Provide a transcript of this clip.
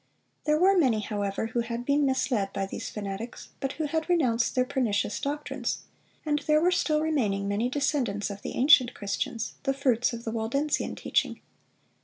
There were many, however, who had been misled by these fanatics, but who had renounced their pernicious doctrines; and there were still remaining many descendants of the ancient Christians, the fruits of the Waldensian teaching.